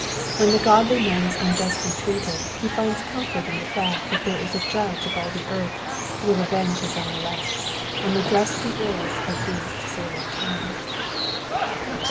When the godly man is unjustly treated he finds comfort in the fact that there is a Judge of all the earth who will avenge his own elect, and redress the ills of these disordered times.